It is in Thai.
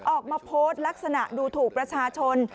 ออกมาโพสต์ลักษณะดูถูกประชาชน